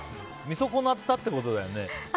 見損なったってことだよね。